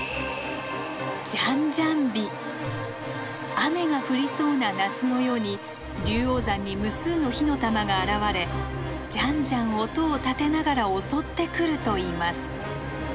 雨が降りそうな夏の夜に龍王山に無数の火の玉が現れじゃんじゃん音を立てながら襲ってくるといいます。